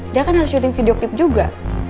dia kan harus syuting video klip juga